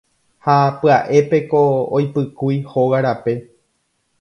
Ha pya'épeko oipykúi hóga rape.